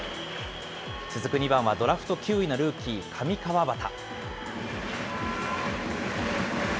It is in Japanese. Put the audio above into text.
続く２番はドラフト９位のルーキー、上川畑。